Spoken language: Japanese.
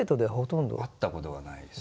会ったことがないですよね。